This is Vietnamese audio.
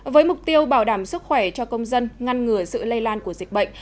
với mục tiêu bảo đảm sức khỏe cho công dân ngăn ngừa sự lây lan của dịch bệnh